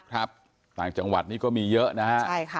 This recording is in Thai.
ครับต่างจังหวัดนี่ก็มีเยอะนะฮะใช่ค่ะ